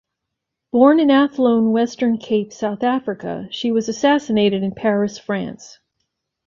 Born in Athlone, Western Cape, South Africa, she was assassinated in Paris, France.